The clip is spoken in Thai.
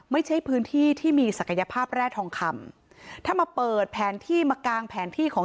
ไม่ใช่พื้นที่ที่มีศักยภาพแร่ทองคำถ้ามาเปิดแผนที่มากางแผนที่ของ